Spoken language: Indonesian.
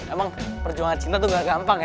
emang perjuangan cinta tuh gak gampang ya